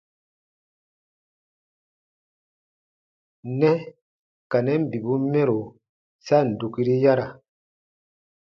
Nɛ ka nɛn bibun mɛro sa ǹ dukiri yara.